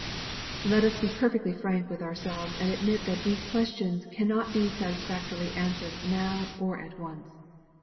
Let us be perfectly frank with ourselves and admit that these questions cannot be satisfactorily answered now or at once.